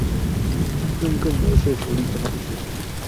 用更有說服力的方式